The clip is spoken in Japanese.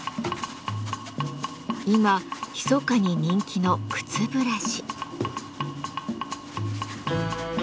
今ひそかに人気の靴ブラシ。